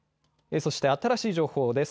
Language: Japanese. そして新しい情報です。